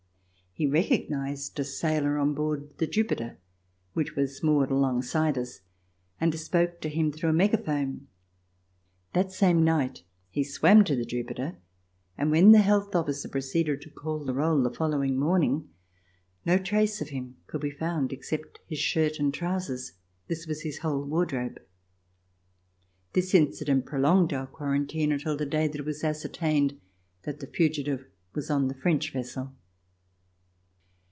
He recognized a sailor on board the "Jupiter" which was moored alongside us and spoke to him through a megaphone. The same night he swam to the ''Jupiter" and when the health officer proceeded to call the roll the follow ing morning, no trace of him could be found, except his shirt and trousers. This was his whole wardrobe. This incident prolonged our quarantine until the day that it was ascertained that the fugitive was on the French vessel.